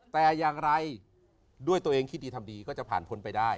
แต่อย่างไรด้วยตัวเองคิดดีทำดีก็จะผ่านพ้นไปได้